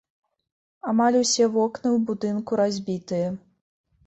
Амаль усе вокны ў будынку разбітыя.